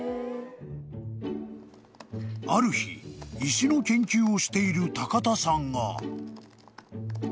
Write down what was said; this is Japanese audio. ［ある日石の研究をしている高田さんが］